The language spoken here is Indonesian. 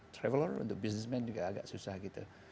traveler untuk business man juga agak susah gitu